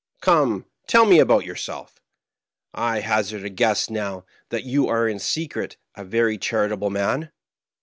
Come, tell me about yourself. I hazard a guess now, that you are in secret a very char itable man."